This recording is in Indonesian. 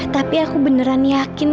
tapi aku beneran yakin